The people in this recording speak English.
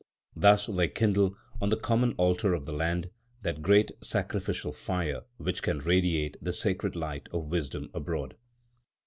Thus they kindle, on the common altar of the land, that great sacrificial fire which can radiate the sacred light of wisdom abroad.